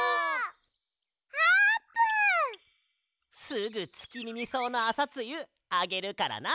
すぐツキミミそうのあさつゆあげるからな！